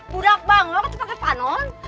budak banget pake panon